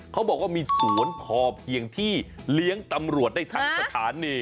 เขาบอกว่ามีสวนพอเพียงที่เลี้ยงตำรวจได้ทั้งสถานี